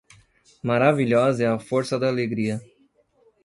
Maravilhosa é a força da alegria.